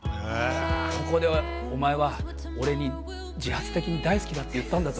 「ここでお前は俺に自発的に大好きだって言ったんだぞ」